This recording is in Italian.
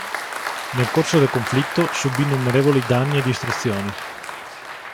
Nel corso del conflitto subì innumerevoli danni e distruzioni.